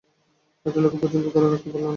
একটা লোককে পর্যন্ত ধরে রাখতে পারলে না।